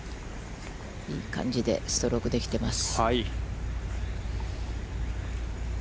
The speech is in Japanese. いい感じでストロークできています。